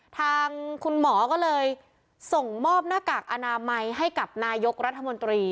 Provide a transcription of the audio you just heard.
ทางคุณหมอก็เลยส่งมอบหน้ากากอนามัยให้กับนายกรัฐมนตรี